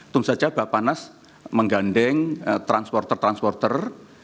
tentu saja bapanas menggandeng transporter transporter